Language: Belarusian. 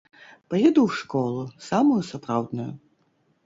Паеду ў школу, самую сапраўдную.